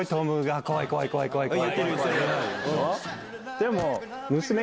でも。